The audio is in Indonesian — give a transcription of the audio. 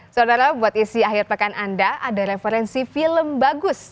saudara buat isi akhir pekan anda ada referensi film bagus